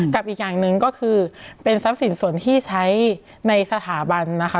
กับอีกอย่างหนึ่งก็คือเป็นทรัพย์สินส่วนที่ใช้ในสถาบันนะคะ